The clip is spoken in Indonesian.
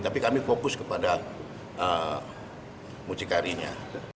tapi kami fokus kepada mucikarinya